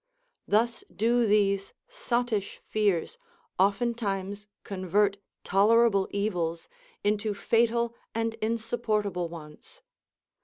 Thus do these sottish fears oftentimes convert tolerable evils into fatal and insupportable ones.